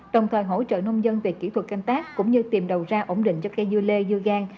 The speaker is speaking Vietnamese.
đồng thời hỗ trợ nông dân về kỹ thuật canh tắt cũng như tìm đầu ra ổn định cho cây dưa lê dưa gan